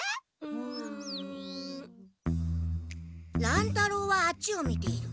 乱太郎はあっちを見ている。